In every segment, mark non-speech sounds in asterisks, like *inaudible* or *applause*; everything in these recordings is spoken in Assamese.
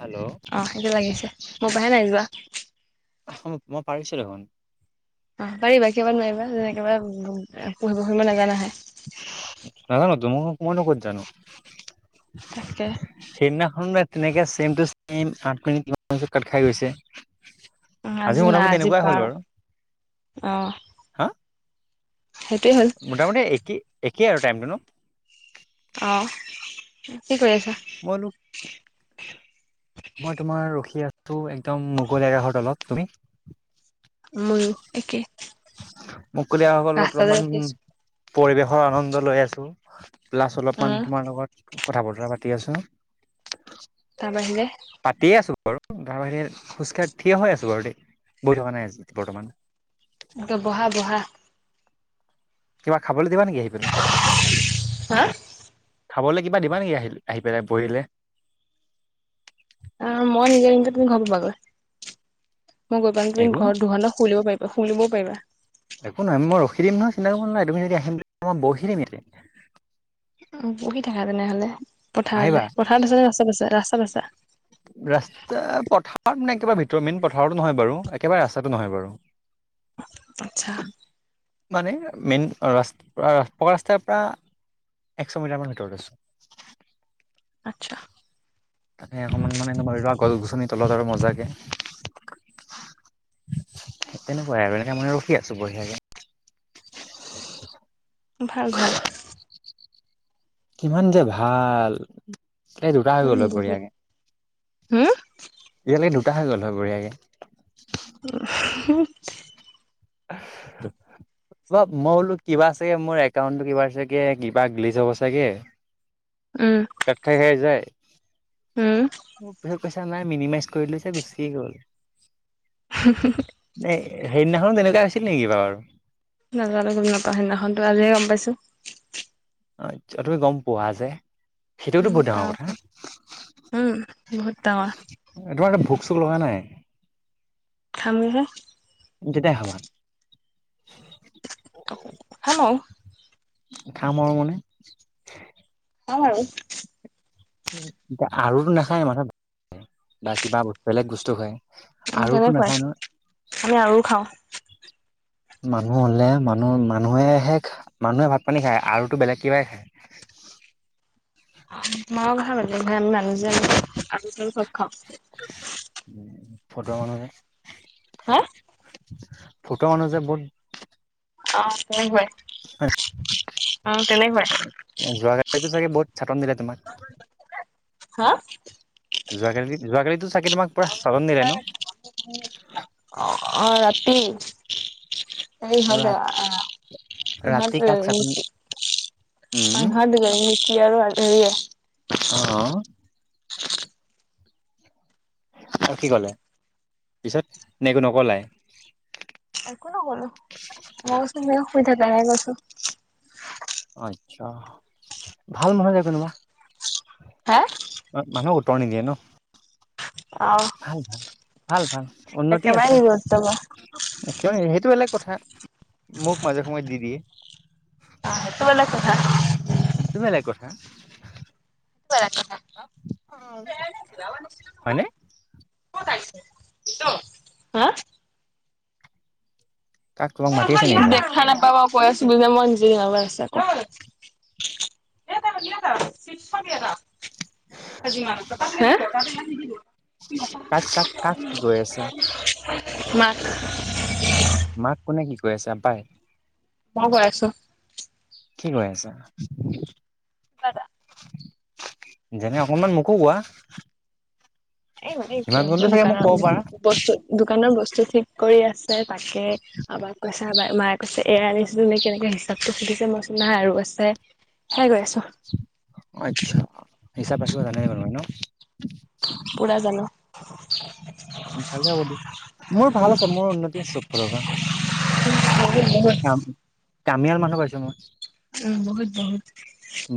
হেল্ল' অ', সেইটো লাগিছে মোৰ পাহে নাই যোৱা মই পাৰিছোঁ দেখোন অ', পাৰিবা কিয় বা নোৱাৰিবা যেন একেবাৰে পঢ়িব শুনিব নাজানাহে নাজানো টো মই নো কত জানো। তাকে সেইদিনাখনো তেনেকে চেম টো চেম সাত মিনিট হোৱা পিছত কাত খাই গৈছে অ আজি নাই মোটামুটি তেনেকুৱাই বাৰ হ'ল বাৰু অ', হা সেইটোয়ে হ'ল মোটামুটি একেই একেই আৰু টাইমটো ন অ', কি কৰি আছা। মইনো মই তোমাৰ ৰখি আছো। একদম মুকলি আকাশৰ তলত তুমি ময়ো একে মুকলি আকাশৰ অলপমান আছো পৰিৱেশৰ আনন্দ লৈ আছো। লাষ্ট অলপমান উম তোমাৰ লগত কথা বতৰা পাতি আছো। তাৰ বাহিৰে পাতিয়ে আছো বাৰু তাৰ বাহিৰে খোজকাঢ় থিয় হৈ আছো বাৰু দেই বহি থকা নাই আজ বৰ্তমান বহা বহা কিবা খাবলে দিবা নিকি আহি পেলাই হা খাবলে কিবা দিবা নেকি আহিল আহি পেলাই বহিলে। অ', মই নিজে নিমে তুমি ঘৰ পাবাগৈ মই গৈ পাও একো তুমি ন ঘৰত দুঘণ্টা শুই লব পাৰি। শুনিবও পাৰিবা। একো নহয়, মই ৰখি দিম নহয় চিন্তা কৰিব নাই। তুমি যদি আহিম মই বহি দিম ইয়াতে। অ', পঢ়হি থাকা তেনেহ'লে। আহিবা পথাৰতে, পথাৰত আছে নে ৰাস্তাত আছে? ৰাস্তাত আছা। ৰাস্তা পথাৰত মানে একেবাৰে ভিতৰ মেইন পথাৰতো নহয় বাৰু, একেবাৰে ৰাস্তাটো নহয় বাৰু। আচ্ছা। মানে মেইন ৰাস পকা ৰাস্তাৰ পৰা- একশ মিটাৰ মান ভিতৰত আছো। আচ্ছা। তাকে অকণমান মানে এনেকুৱা ৰুৱা গছ-গছনি তলত আৰু মজাকে। তেনেকুৱাই আৰু এনেকে মানে ৰখি আছো বঢ়িয়াকে। ভাল-ভাল। কিমান যে ভাল তাই দুটা হৈ উম গ'ল বহুত বঢ়িয়াকে। হম এয়ালৈকে দুটা হৈ গ'ল হয় বঢ়ীয়াকৈ। *unintelligible* *inaudible* অহ', মই বোলো কিবা চাগে মোৰ একাউণ্টটো কিবা আছেগে কিবা গেলেজ হ'ব চাগে। উমঁ। কাট খাই-খাই যায়। উমঁ। মোৰ পিছত পূইচা নাই, মিনিমাইজ কৰিলো যে গুচিয়ে গ'ল। হুম-হুম। এ' সেইদিনাখনো তেনেকুৱা আছিল নেকি বাৰু? নাজােনো গম নাপাওঁ, সেইদিনাখনতো আজিহে গম পাইছো। অ' তুমি গম পোৱা যে। সেইটোতো উম বহুত ডাঙৰ পাওঁ কথা। পাওঁ উম বহুত ডাঙৰ তোমাৰটো ভোক-চোক লগা নাই? খাম'হে। কেতিয়া খাবা? হেল্ল',। খাম আৰু মানে? খাম আৰু। এতিয়া আৰু নাখায় মাজত বা কিবা বেলেগ বস্তু খায়। আৰু তো কেনেকুৱাই নাখায় নহয়। আমি আৰু *unintelligible* মানুহ হ'লে, মানুহ মানুহে-মানুহে ভাত-পানী খায়, আৰুতো বেলেগ কিবাই খায়। মই কথা ব ভম মানুহ যে আৰু খাম উম' ফটোৱা মানুহে। হাঁ? ফটোৱা মানুহ যে বহুত। অঁহ', -তেনেকুৱাই। অ তেনেকুৱাই যোৱাকালি চাগে বহুত চাটন দিলে তোমাক। হাঁ? যোৱাকালি, যোৱাকালি টো চাগে তোমাক পুৰা চাটন দিলে ন? অঁ-অঁহ', - ৰাতি। ৰা সিহঁতে ৰাতি কাক আঁহ চাটন নেকি উম আৰু হেৰিয়ে অ আৰু কি কলে পিছত নে একো নকলে একো নকলো মই কৈছো তুমি এ শুই থাকা এনেকে কৈছো আচ্ছা ভাল নহয় যে তেনকা হা অ মানুহক উত্তৰ নিদিয়ে ন আ ভাল ভাল ভাল ভাল উন্নতি একেবাৰে আছে নিগুৰুত্ব কৰা কিয় নিদিব সেইটো বেলেগ কথা মোক মাজে সময়ে দি দিয়ে অ সেইটো বেলেগ কথা সেইটো বেলেগ কথা কি কৰা টকা *unintelligible* হয়নে কত আহিছে কাক তোমাক মাতি আছে নেকি ঘৰত দেখা নাপাবা কৈ আছিলো যে মই *unintelligible* কৈ আছে *unintelligible* *unintelligible* হে *unintelligible* টকাটো ইমান কাক কাক কাক কি কৈ আছে নিদিব *unintelligible* মাত মাক কোনে কি কৈ আছে আব্বাই মই কৈ আছো কি কৈ আছা পাইবা যেনে অকনমান মোকো কোৱা। *unintelligible* এ সিমান কণটো চাগে মোক দোকানৰ ক'ব পাৰা *unintelligible* বস্তু দোকানৰ বস্তু ঠিক কৰি আছে তাকে আব্বাক কৈছে আব্বাই মাই। কৈছে এইয়া আনিছো নে কেনেকে হিচাপটো সুধিছে মই কৈচো নাই আৰু আছে সেয়াই কৈ আছো। অ আচ্ছা হিচাপ ৰাখিব জানাই মানে ন। পুৰা জানো। *unintelligible* ভালে হ'ব দিয়া মোৰ ভাল আছে মোৰ উন্নতি আছে চব ফালৰ পা বহুত বহুত কামিয়াল মানুহ পাইছো মই। উম বহুত বহুত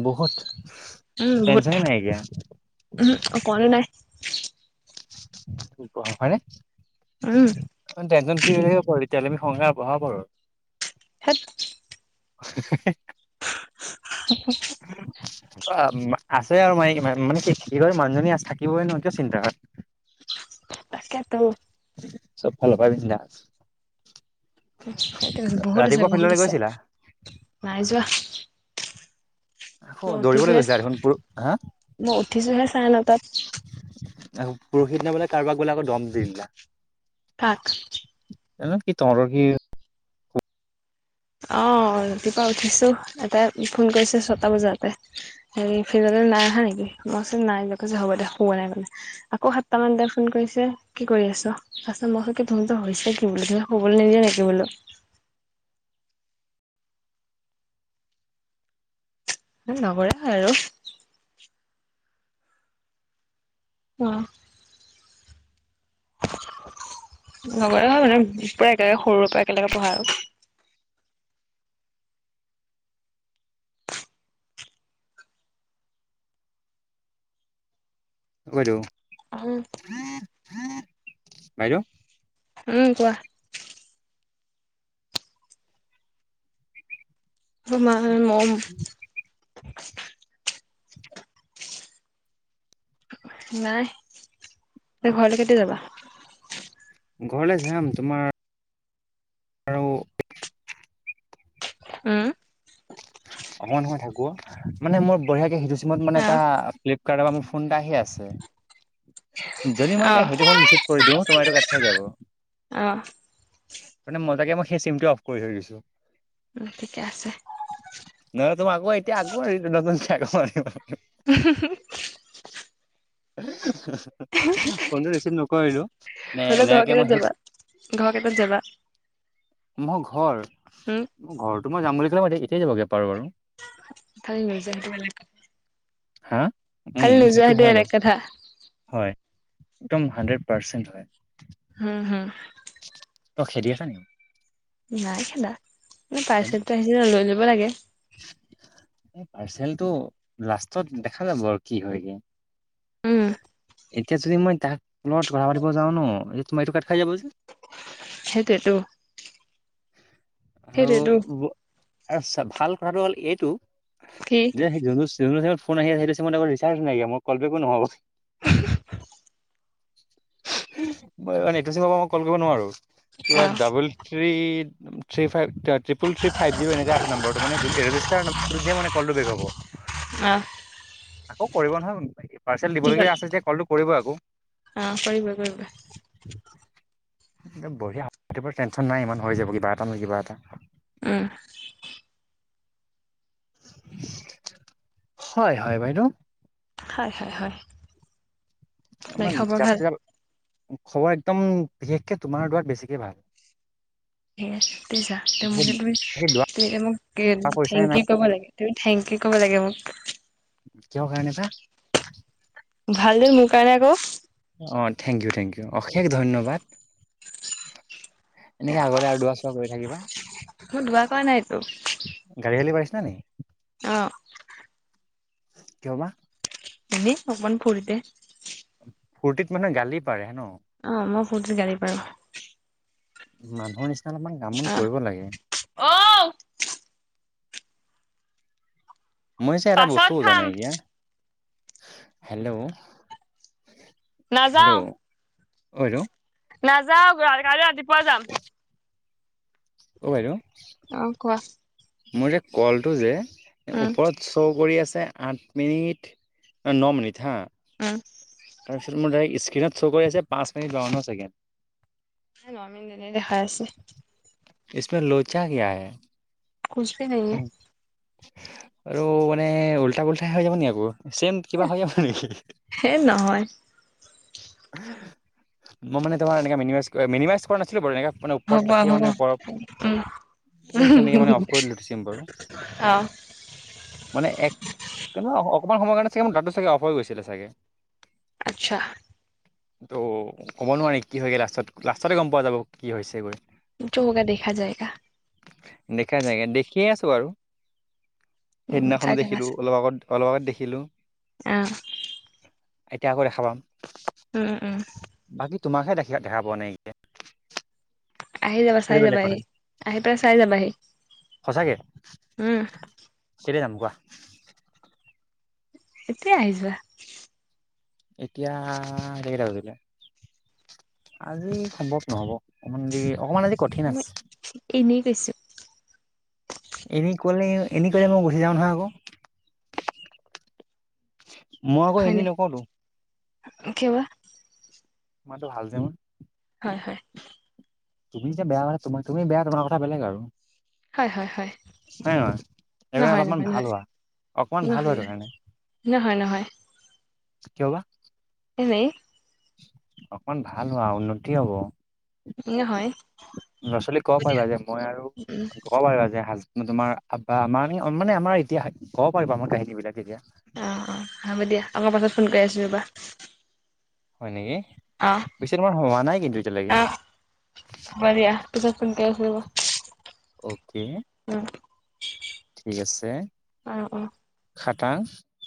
বহুত টেনচনে নাইকিয়া। উহু অকনো নাই। হয়নে টেনচন ফ্ৰী হৈয়ে আছো উম আৰু তেতিয়াহ'লে আমি সংসাৰ বঢ়াব পাৰো ধেৎ *unintelligible* *unintelligible* অ আছে আৰু মইকী মানে কি কি কয় মানুহজনী থাকিবই নহয় কিয় চিন্তা আৰু তাকে তো। চবফালৰ পাই বিজনাচ সেইটোৱেইটো বহুত আছে বহুত আছে গৈছিলা নাই যোৱা। অ মই দৌৰিবলৈ উঠিছোহে গৈছিলা দেখোন পু হা। মই উঠিছোহে চাৰে নটাত। আৰু পৰহিত দিনা বোলে কাৰোবাক বোলে আকৌ দম দি দিলা। কাক। এনেও কি তৰাব কি। অ ৰাতিপুৱা উঠিছো এটাই ফোন কৰিছে ছটা বজাতে। হেৰি সিহঁতে নাই অহা নেকি মই নাই হ'ব দেয় পোৱা নাই মানে। আকৌ সাতটামান তেই ফোন কৰিছে কি কৰি আছ? তা পিছত মই তহঁত হৈছে কি বোলো তহঁতক শুবলৈ নিদিয়া নেকি বোলো। অ নগলে হল আৰু, অ। লগৰে হয় মানে পুৰা একেলগে সৰুৰে পৰা একেলগে পঢ়া আৰু, অ বাইদেউ। অ। বাইদেউ। উম কোৱা? মোৰ মা কাৰেনে মৰম। নাই তুমি ঘৰলৈ কেতিয়া যাবা? ঘৰলে যাম তোমাৰ। আৰু। উম অকমান সময় থাকো। মানে মোৰ বঢিয়াকে সিটো চিমত মানে এটা অ', ফ্লিপকাৰ্ট পৰা মোৰ ফোন এটা আহি আছে। *inaudible* যদি মই এতিয়া অ', সেইটোফোন ৰিচিভ কৰি দিওঁ তোমাৰ এইটো কাত খাই যাব। অ। মানে মজাকে মই সেই চিমতো অফ কৰি থৈ দিছো। ঠিকে আছে। নাই তোমাৰ আকৌ আগ এতিয়া আগ ন নতুন চেক এখন আনিবলে। হু হু ফোনটো ৰিচিভ নকৰিলো। নে হলে ঘৰ এনেকে মই কেইটাত সেই যাবা ঘৰ কেইটাত যাবা? মোৰ ঘৰ উম ম ঘৰতটো মই যাম বুলি ক'লে মতি এতিয়াই যাবগে পাৰো বাৰু, তাইৰ ৰিয়েজনটো বেলেগে। হা উম কালি নোযোৱা সেইটো হয় এনেক বাৰু কথা। হয় একদম হানড্ৰেড পাৰ্চেণ্ট হয়। হম হুম। তই খেদি আছ নেকি? নাই খেদা তেনে পাৰছেল টো আহিলে লৈ লব লাগে। পাৰ্চেলটো লাষ্টত দেখা যাব আৰু কি হয়গে। উম, এতিয়া যদি মই তাক ফোনত কথা পাতিব যাওঁ ন এ তুমাৰ এইটো কাট খাই যাব যে। সেইটোৱেতো। আৰু সেইটোৱেতো। ব আৰু ভাল কথাটো হ'ল এইটো কি? যে সেই, ফোন আহি আছে মই ৰিচাৰ্ নাইকিয়া মই কল বেক ও নহব। মই এটো চিমৰ পৰা মই কল কৰিব নোৱাৰো কিবা অ', double, three three five triple three five zero এনেকে আছে নাম্বটো মানে ৰেজষ্টাৰ নাম্বাৰটো দিয়ে মানে কলটো বেক হ'ব। আহ। আকৌ কৰিব নহয় পাৰ্চেল কি দিব হ'ল? লগীয়া আছে যেতিয়া কলটো কৰিব আকৌ। অ কৰিব কৰিব। বঢিয়া এতিয়া বাৰু টেনশ্যন নাই ইমান হৈ যাব কিবা এটা নহয় কিবা এটা। উম। হয় হয় বাইদেউ। হয় হয় হয়। বাকী আমাক খবৰ জাপ ভাল? চ খবৰ একদম বিশেষকে তোমাৰ দুৱাত বেছিকে ভাল। *unintelligible* তুমি বাকী দুৱা এতিয়া মোক চোৱা থেংক কৰিছানে নাই ইউ কব লাগে। তুমি থেংক ইউ ক'ব লাগে মোক। কিহৰ কাৰনে বা? ভালে মোৰ কাৰণে আকৌ। অ থেংক ইউ থেংক ইউ অশেষ ধন্যবাদ। এনেকে আগলে আৰু দুৱ চোৱা কৰি থাকিবা, মই দুৱা কৰা নাইতো। গালি চলি পৰিছিলা নেকি? অহ। কিয় বা? এনেই অকমান ফূৰ্তিতে। ফূৰ্তিত মানে গালি পাৰে ন? অ মই ফূৰ্তিত গালি পাৰো। মানুহৰ নিচিনা অলপমান কাম বন কৰিব লাগে। অঁ মই যে এটা বস্তু পাছত বুজা খাম নাই ইয়াৰ হেল্ল'। হেল্ল' নাযাওঁ, অ বাইদেউ নাযাওঁ কাইলে ৰাতিপুৱা যাম। অ' বাইদেউ। অ কোৱা। মোৰ যে কলটো যে উম, ওপৰত শ্ব' কৰি আছে আঠ মিনিট ন মিনিট হাঁ অঁ। তাৰপিছত মোৰ ডাইৰেক্ট স্ক্ৰীণত শ' কৰি আছে পাঁচ মিনিট বাৱন্ন ছেকেণ্ড। *inaudible* নাই ন মিনিটে দেখাই আছে। ইচপে লোচা কিয়া হে? কোচ ভি নহি। উ আৰু মানে উল্টা পোল্টাই হৈ যাব নি আকৌ চেম কিবা হৈ যাব নেকি? হে নহয়। মই মানে তোমাৰ এনেকে মিনিমাইজ মিনিমাইজ কৰা নাছিলোঁ বাৰু এনেকে মানে ওপৰত ৰাখি মানে ওপৰত উম তেনেকে মানে অফ কৰি দিলোঁ চিম্বল। অ', মানে এক অকণমান সময়ৰ কাৰণে চাগে ম ডাটাটো চাগে অফাৰ গৈছিলে চাগে। আচ্ছা। ত' ক'ব নোৱাৰি কি হয়গে লাষ্টত, লাষ্টতে গম পোৱা যাব কি হৈছেগৈ। যো হোগা দেখা যায়েগা। দেখা যায়গা, দেখিয়ে আছো আৰু। উম, সেইদিনাখনো চাই থাকা দেখিলো, অলপ আগত অলপ আগত দেখিলো। এ অ এতিয়া আকৌ দেখা পাম উম, উম, বাকী তোমাকহে দেখে দেখা পোৱা নাই আহি যাবা সেইটো চাই বেলেগ যাবাহি কথা আহি পেলাই চাই যাবাহি সঁচাকে উম, কেতিয়া যাম কোৱা এতিয়াই আহি যোৱা এতিয়া এতিয়া কেটা বাজিলে আজি সম্ভৱ নহব অকমান দি অকমান আজি কঠিন মই আছে এনেই কৈছো এনেই কলে এনেই কলে মই গুচি যাম নহয় আকৌ মই আকৌ হয় এনেই নাই নকওটো কিয় বা মাটতো ভাল যে মোৰ হয় হয় তুমি যে বেয়া মানে তোমা তুমি বেয়া তোমাৰ কথা বেলেগ আৰু হয়, হয়, হয়, হয় নহয় এইবে নহয়, নহয়, অলপমান নহয়, ভাল হোৱা অকমান ভাল হোৱা নহয়, নহয়। সেইটো কাৰণে নহয় নহয় কিয় বা এনে অকমান ভাল হোৱা উন্নতি হব ই হয় ল' ছোৱালীক ক'ব পাৰিবা যে মই আৰু উম ক'ব পাৰিবা যে হাজ ম তোমাৰ আপা মানি আমাৰ মানে আমাৰ এতিয়া কব পাৰিব আমাৰ কাহিনী বিলাক তেতিয়া অঁ অঁ হ'ব দিয়া অ মই পাছত ফোন কৰি আছোঁ ৰবা হয় নেকি অ পিছে তোমাৰ হোৱা নাই কিন্তু এতিয়ালেকে হয় দিয়া পিছত ফোন কৰি আছোঁ ৰবা অ'কে উম ঠিক আছে অ অ খাটাং